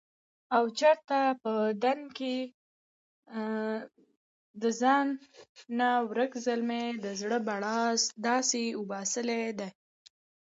او چرته په دکن کښې دځانه ورک زلمي دزړه بړاس داسې وباسلے دے